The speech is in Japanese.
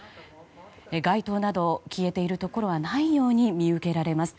街灯など消えているところはないように見受けられます。